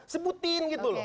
sebutin gitu loh